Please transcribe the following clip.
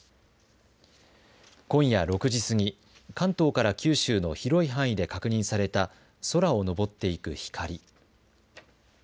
今夜６時過ぎ関東から九州の広い範囲で確認された空を上っていく光。